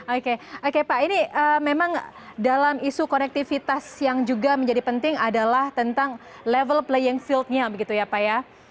oke oke pak ini memang dalam isu konektivitas yang juga menjadi penting adalah tentang level playing fieldnya begitu ya pak ya